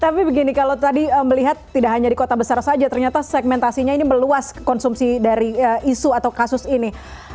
tapi begini kalau tadi melihat tidak hanya di kota besar saja ternyata segmentasinya ini meluas konsumsi dari isu atau kasus ini